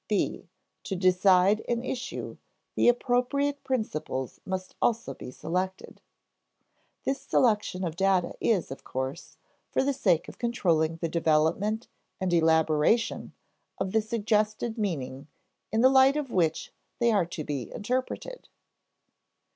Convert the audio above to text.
[Sidenote: (b) To decide an issue, the appropriate principles must also be selected] (b) This selection of data is, of course, for the sake of controlling the development and elaboration of the suggested meaning in the light of which they are to be interpreted (compare p.